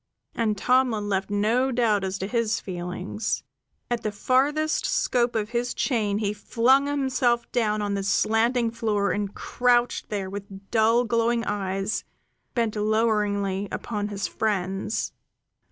And Tomlin left no doubt as to his feelings. At the farthest scope of his chain he flung himself down on the slanting floor and crouched there with dull glowing eyes bent loweringly upon his friends.